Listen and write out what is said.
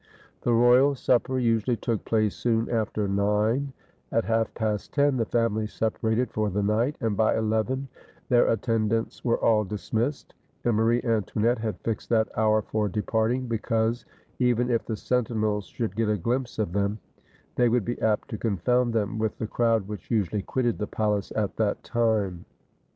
The royal supper usually took place soon after nine; at half past ten the family separated for the night, and by eleven their attendants were all dismissed; and Marie Antoinette had fixed that hour for departing, because, even if the sentinels should get a glimpse of them, they would be apt to confound them with the crowd which usually quitted the palace at that time.